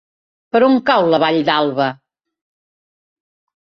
Per on cau la Vall d'Alba?